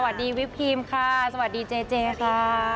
สวัสดีวิทย์พีมค่ะสวัสดีเจ๊ค่ะ